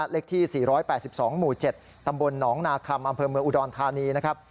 เลขที่๔๘๒หมู่๗ตำบลหนองนาคัมอำเภอเมืองอุดรธานีนะครับ